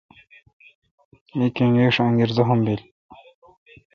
می کنگیݭ انگیر زخم بیل۔